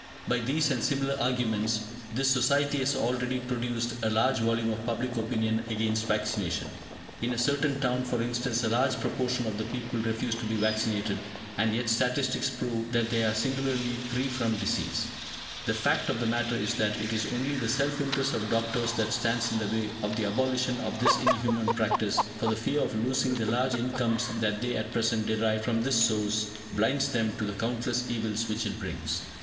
By these and similar arguments, this society has already produced a large volume of public opinion against vaccination. In a certain town, for instance, a large proportion of the people refuse to be vaccinated, and yet statistics prove that they are singularly free from disease. The fact of the matter is that it is only the self interest of doctors that stands in the way of the abolition of this inhuman practice, for the fear of losing the large incomes that they at present derive from this source blinds them to the countless evils which it brings.